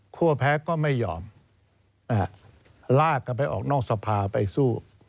แพ้ก็ไม่ยอมลากกันไปออกนอกสภาไปสู้